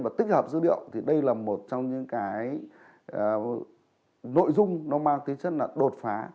và tích hợp dữ liệu thì đây là một trong những cái nội dung nó mang tính chất là đột phá